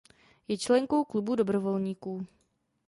Je členkou „Klubu dobrovolníků“.